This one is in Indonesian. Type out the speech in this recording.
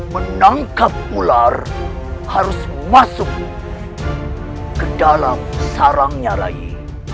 menangkap ular harus masuk ke dalam sarangnya lagi